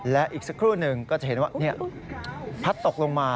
และอีกสักครู่หนึ่งก็จะเห็นว่าพัดตกลงมา